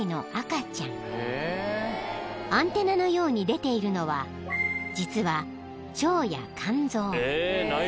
［アンテナのように出ているのは実は］